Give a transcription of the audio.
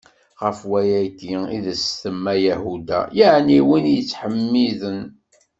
Ɣef wayagi i s-tsemma Yahuda, yeɛni win yettḥemmiden.